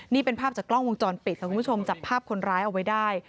นี่เป็นภาพจากกล้องวงจรปิดค่ะคุณผู้ชมจับภาพคนร้ายเอาไว้ได้